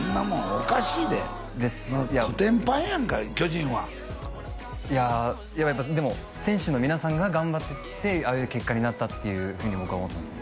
おかしいでコテンパンやんか巨人はいややっぱでも選手の皆さんが頑張ってきてああいう結果になったっていうふうに僕は思ってますね